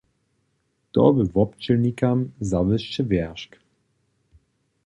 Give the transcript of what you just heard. To bě wobdźělnikam zawěsće wjeršk.